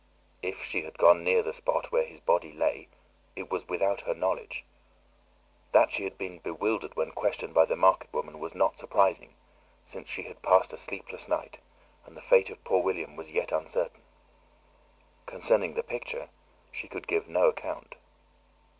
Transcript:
If she had gone near the spot where his body lay, it was without her knowledge. That she had been bewildered when questioned by the market woman was not surprising, since she had passed a sleepless night and the fate of poor William was yet uncertain. Concerning the picture she could give no account.